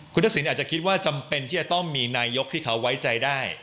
คุณทักษิณอาจจะคิดว่าจำเป็นที่จะต้องมีนายกที่เขาไว้ใจได้